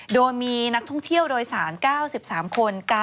โดยมีนักท่องเที่ยวโดยสาร๙๓คน